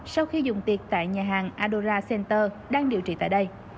sau khi dùng tiệc tại nhà hàng addora center đang điều trị tại đây